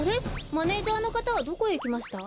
マネージャーのかたはどこへいきました？